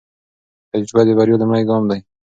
تجربه د بریا لومړی ګام دی.